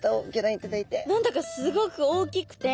何だかすごく大きくて。